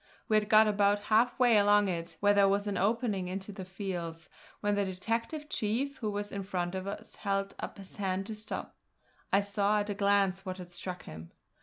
We had got about half way along it, where there was an opening into the fields, when the detective chief who was in front of us held up his hand to stop. I saw at a glance what had struck him.